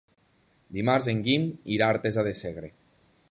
Dimarts en Guim irà a Artesa de Segre.